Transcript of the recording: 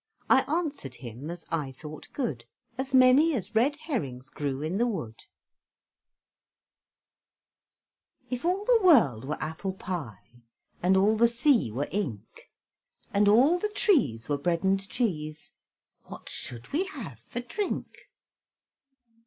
I answered him as I thought good, As many as red herrings grew in the wood If all the world were apple pie, And all the sea were ink, And all the trees were bread and cheese, What should we have for drink?